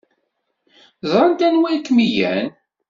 Ẓrant anwa ay kem-ilan.